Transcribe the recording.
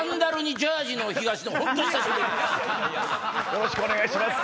よろしくお願いします。